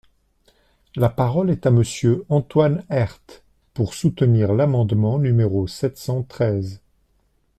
La parole est à Monsieur Antoine Herth, pour soutenir l’amendement numéro sept cent treize.